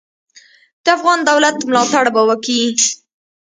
د افغان دولت ملاتړ به وکي.